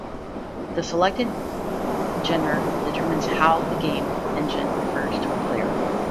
The selected gender determines how the game engine refers to a player.